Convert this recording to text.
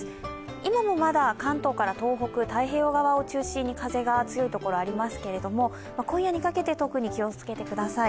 今もまだ関東から東北太平洋側を中心に風が強いところがありますが今夜にかけて特に気を付けてください。